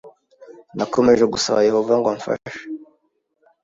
nakomeje gusaba Yehova ngo amfashe